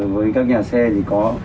với các nhà xe thì có